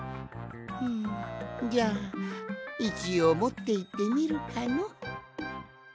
んじゃあいちおうもっていってみるかの。